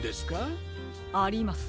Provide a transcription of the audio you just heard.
あります。